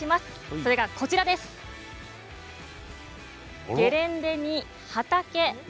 それがこちら、ゲレンデに畑。